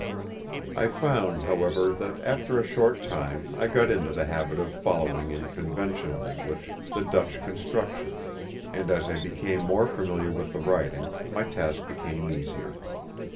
I found, however, that after a short time I got into the habit of following in conventional English the Dutch construction; and, as I became more familiar with the writing, my task became easier.